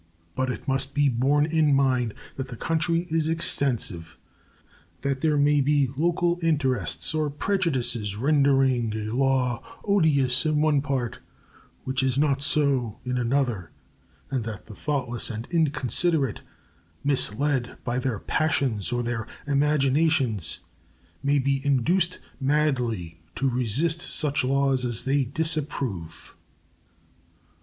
But it must be borne in mind that the country is extensive; that there may be local interests or prejudices rendering a law odious in one part which is not so in another, and that the thoughtless and inconsiderate, misled by their passions or their imaginations, may be induced madly to resist such laws as they disapprove.